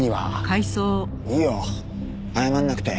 いいよ謝らなくて。